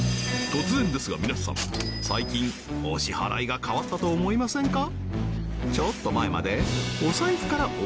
突然ですが皆さん最近お支払いが変わったと思いませんか？